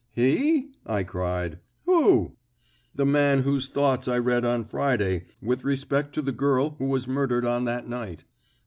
"He?" I cried. "Who?" "The man whose thoughts I read on Friday with respect to the girl who was murdered on that night."